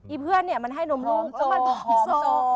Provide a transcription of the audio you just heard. ไอ้เพื่อนเนี่ยมันให้นมลูกแล้วมันหอมโซ